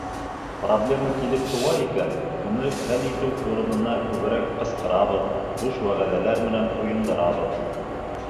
Проблема килеп тыуа икән, уны хәл итеү урынына күберәк ҡысҡырабыҙ, буш вәғәҙәләр менән туйындырабыҙ.